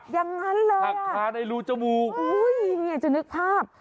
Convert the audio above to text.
อย่างนั้นเลยหักคาในรูจมูกอุ้ยเนี่ยจะนึกภาพ